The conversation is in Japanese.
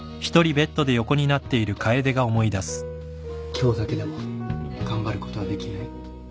今日だけでも頑張ることはできない？